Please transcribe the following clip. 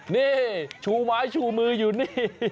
นี่ชูไม้ชูมืออยู่นี่